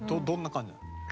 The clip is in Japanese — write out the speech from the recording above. どんな感じなの？